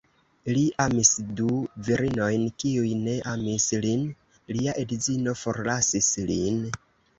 Li amis du virinojn kiuj ne amis lin; lia edzino forlasis lin.